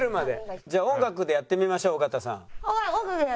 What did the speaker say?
「じゃあ音楽でやってみましょう尾形さん」。